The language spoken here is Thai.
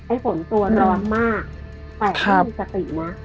ไอ้ฝนตัวร้อนมากแตะให้มีสตินะ